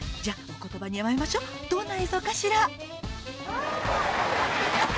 じゃあお言葉に甘えましょどんな映像かしら？